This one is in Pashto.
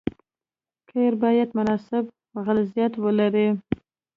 قیر باید مناسب غلظت ولري